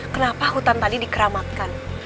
kenapa hutan tadi dikeramatkan